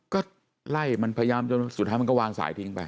ก็ไล่มันพยายามจนสุดท้ายมันก็วางสายทิ้งไป